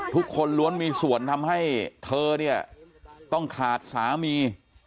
ทุกคนล้วนมีส่วนทำให้เธอเนี่ยต้องขาดสามี